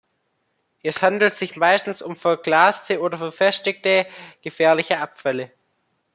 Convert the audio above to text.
Es handelt sich meistens um verglaste oder verfestigte gefährliche Abfälle.